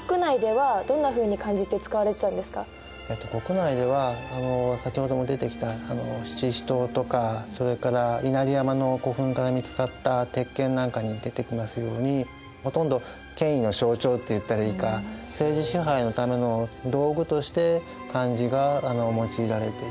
ちなみに国内では先ほども出てきた七支刀とかそれから稲荷山の古墳から見つかった鉄剣なんかに出てきますようにほとんど権威の象徴っていったらいいか政治支配のための道具として漢字が用いられていた。